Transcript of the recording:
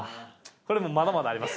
これもうまだまだあります。